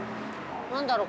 何だろう？